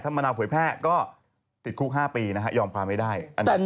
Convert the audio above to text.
ถ้ามะนาวเผยแพร่ก็ติดคลุก๕ปียอมพาไม่ได้